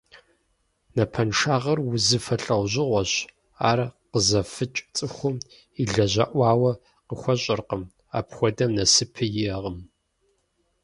Напэншагъэр узыфэ лӏэужьгъуэщ. Ар къызэфыкӏ цӏыхум илажьэӏауэ къыхуэщӏэркъым. Апхуэдэм нэсыпи иӏэкъым.